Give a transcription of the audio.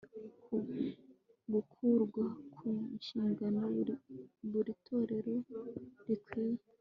gukurwa ku nshingano Buri torero rikwiriye